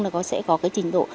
nó sẽ có cái trình độ